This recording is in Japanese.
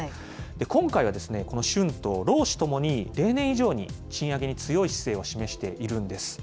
今回はですね、この春闘、労使ともに、例年以上に賃上げに強い姿勢を示しているんです。